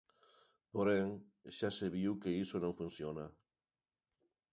Porén, xa se viu que iso non funciona.